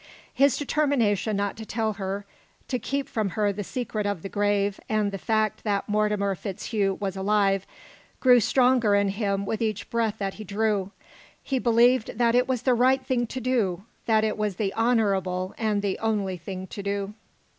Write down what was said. His determination not to tell her, to keep from her the secret of the grave and the fact that Mortimer FitzHugh was alive, grew stronger in him with each breath that he drew. He believed that it was the right thing to do, that it was the honourable and the only thing to do.